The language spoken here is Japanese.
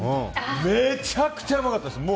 めちゃくちゃうまかったです。